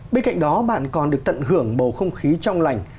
bên cạnh đó bạn còn được tận hưởng bầu không khí trong lành